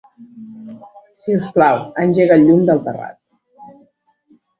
Si us plau, engega el llum del terrat.